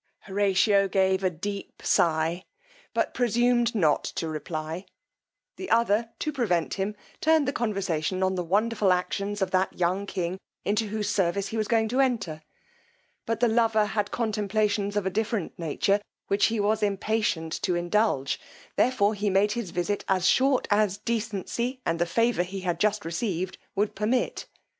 Horatio gave a deep sigh, but presumed not to reply; the other, to prevent him, turned the conversation on the wonderful actions of that young king into whose service he was going to enter; but the lover had contemplations of a different nature which he was impatient to indulge, therefore made his visit as short as decency and the favour he had just received would permit.